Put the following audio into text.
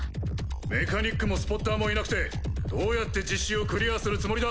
メカニックもスポッターもいなくてどうやって実習をクリアするつもりだ？